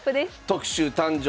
特集「誕生！